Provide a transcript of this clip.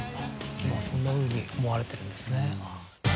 今はそんなふうに思われてるんですね。